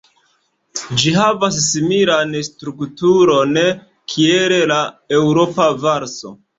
Ĝi havas similan strukturon kiel la Eŭropa valso.